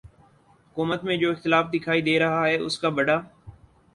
حکومت میں جو اختلاف دکھائی دے رہا ہے اس کا بڑا